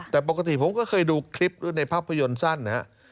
แต่ปกติผมก็เคยดูคลิปหรือในภาพยนตร์สั้นนะครับ